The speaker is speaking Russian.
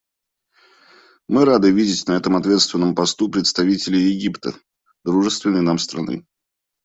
Мы рады видеть на этом ответственном посту представителя Египта − дружественной нам страны.